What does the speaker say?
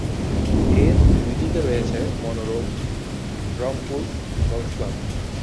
এর দুই দিকে রয়েছে মনোরম রংপুর গলফ ক্লাব।